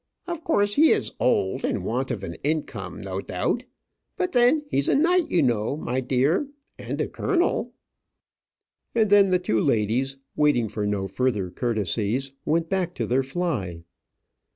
Of course he is old, and in want of an income, no doubt. But then he's a knight you know, my dear, and a colonel;" and then the two ladies, waiting for no further courtesies, went back to their fly.